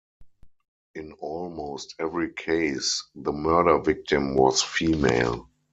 In almost every case the murder victim was female.